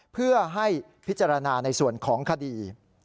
เพื่อให้พิจารณาในส่วนของคดี